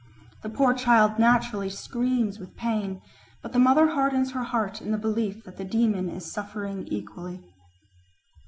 The poor child naturally screams with pain, but the mother hardens her heart in the belief that the demon is suffering equally.